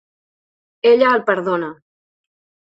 Ella el perdona.